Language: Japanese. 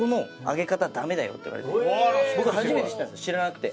初めて知ったんです知らなくて。